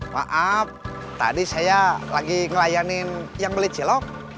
maaf tadi saya lagi ngelayanin yang beli celok